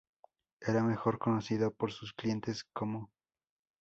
Era mejor conocido por sus clientes como Mr.